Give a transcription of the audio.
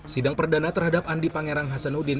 sidang perdana terhadap andi pangerang hasanuddin